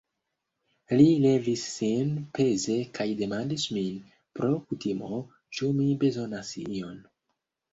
Li levis sin peze kaj demandis min, pro kutimo, ĉu mi bezonas ion.